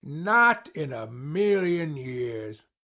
Not in a million years.